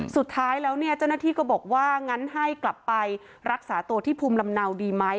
สุดท้ายแล้วเนี่ยเจ้าหน้าที่ก็บอกว่างั้นให้กลับไปรักษาตัวที่ภูมิลำเนาดีไหม